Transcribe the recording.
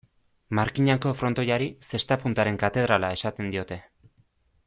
Markinako frontoiari, zesta-puntaren katedrala esaten diote.